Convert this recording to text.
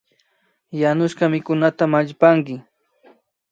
Yanushka mikunata mallipanki